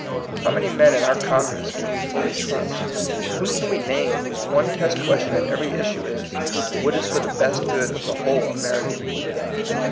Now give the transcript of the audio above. How many men in our Congress can we fully trust? Whom can we name whose one test question at every issue is, " What is for the best good of the whole American people?"